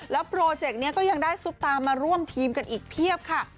โปรเจกต์นี้ก็ยังได้ซุปตามาร่วมทีมกันอีกเพียบค่ะ